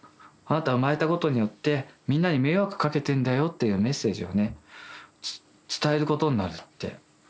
あなた生まれたことによってみんなに迷惑かけてんだよ」っていうメッセージをね伝えることになるって。